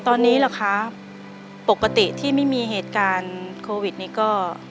ตอนนี้เหรอคะปกติที่ไม่มีเหตุการณ์โควิดนี้ก็